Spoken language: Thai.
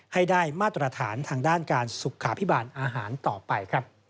ให้ได้มาตรฐานทางด้านการสุขาพิบาลอาหารต่อไป